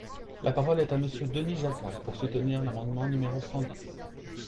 La parole est à Monsieur Denis Jacquat, pour soutenir l’amendement numéro cent dix.